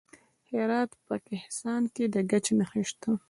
د هرات په کهسان کې د ګچ نښې شته.